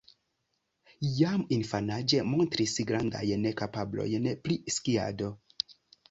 Jam infanaĝe montris grandajn kapablojn pri skiado.